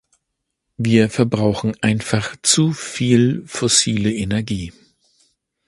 Wir verbrauchen einfach zu viel fossile Energie.